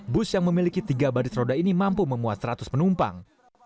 bus yang memiliki tiga baris roda ini mampu memuat seratus penumpang